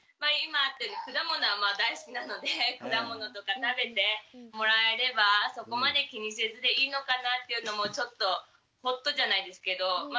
果物は大好きなので果物とか食べてもらえればそこまで気にせずでいいのかなっていうのもちょっとホッとじゃないですけどまあ